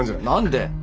何で。